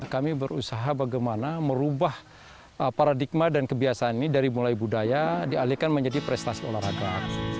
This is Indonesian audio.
kami berusaha bagaimana merubah paradigma dan kebiasaan ini dari mulai budaya dialihkan menjadi prestasi olahraga